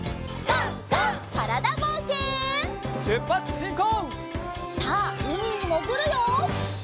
さあうみにもぐるよ！